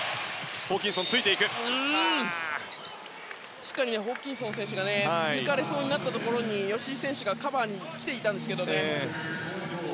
しっかりホーキンソン選手が抜かれそうになったところに吉井選手がカバーに来ていたんですけどね。